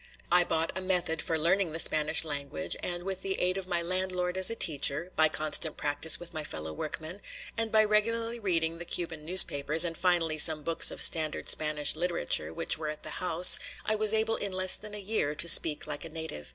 I bought a method for learning the Spanish language, and with the aid of my landlord as a teacher, by constant practice with my fellow workmen, and by regularly reading the Cuban newspapers and finally some books of standard Spanish literature which were at the house, I was able in less than a year to speak like a native.